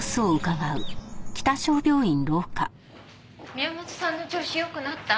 宮本さんの調子良くなった？